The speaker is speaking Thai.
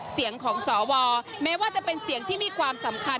เสียงของสวแม้ว่าจะเป็นเสียงที่มีความสำคัญ